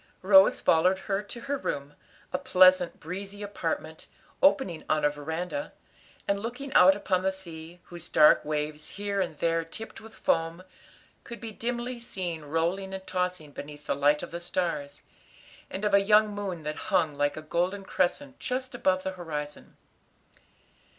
Rose followed her to her room, a pleasant, breezy apartment, opening on a veranda, and looking out upon the sea, whose dark waves, here and there tipped with foam, could be dimly seen rolling and tossing beneath the light of the stars and of a young moon that hung like a golden crescent just above the horizon.